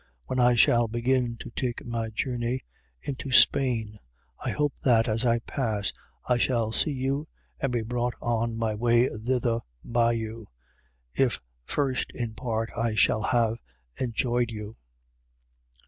When I shall begin to take my journey into Spain, I hope that, as I pass, I shall see you and be brought on my way thither by you: if first, in part, I shall have enjoyed you.